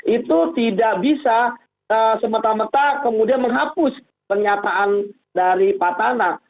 itu tidak bisa semata mata kemudian menghapus pernyataan dari pak tana